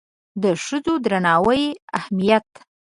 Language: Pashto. د ښځو د درناوي اهمیت